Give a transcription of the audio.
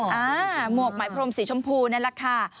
มั่งกระหมวกไหมพรมสีชมพูนั่นแหละค่ะ